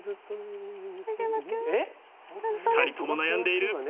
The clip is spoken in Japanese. ２人とも悩んでいる！